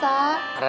tidak akan bisa